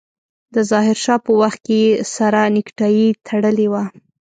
د ظاهر شاه په وخت کې يې سره نيکټايي تړلې وه.